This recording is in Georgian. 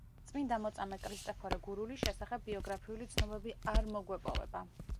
წმინდა მოწამე ქრისტეფორე გურულის შესახებ ბიოგრაფიული ცნობები არ მოგვეპოვება.